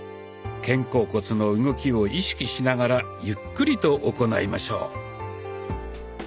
肩甲骨の動きを意識しながらゆっくりと行いましょう。